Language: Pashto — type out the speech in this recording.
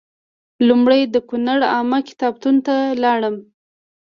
لومړی د کونړ عامه کتابتون ته لاړم.